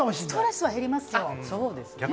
ストレスは減ります。